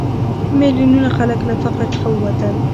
میلیونونه خلک له فقر څخه ووتل.